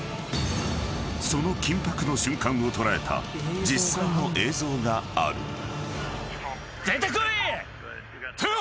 ［その緊迫の瞬間を捉えた実際の映像がある］